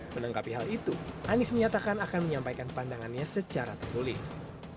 menanggapi hal itu anies menyatakan akan menyampaikan pandangannya secara tertulis